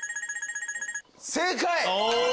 正解！